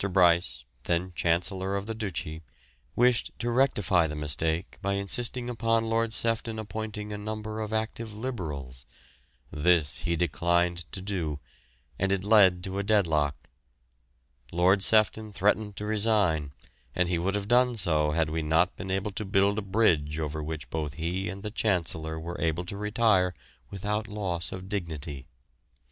Bryce, then Chancellor of the Duchy, wished to rectify the mistake by insisting upon Lord Sefton appointing a number of active Liberals. This he declined to do, and it led to a deadlock. Lord Sefton threatened to resign, and would have done so had we not been able to build a bridge over which both he and the Chancellor were able to retire without loss of dignity.